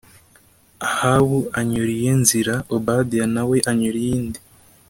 Ahabu anyura iye nzira, Obadiya na we anyura iyindi